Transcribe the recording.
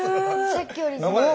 さっきよりすごい！